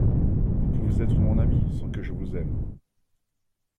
Vous pouvez être mon ami, sans que je vous aime.